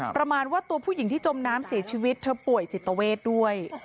ประมาณว่าตัวผู้หญิงที่จมน้ำเสียชีวิตเธอป่วยจิตเวทด้วย